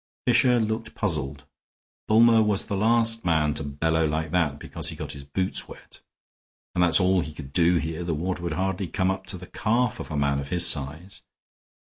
Fisher looked puzzled. "Bulmer was the last man to bellow like that because he got his boots wet. And that's all he could do here; the water would hardly come up to the calf of a man of his size.